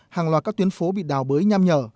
hàng loạt các tuyến phố bị đào bới nham nhở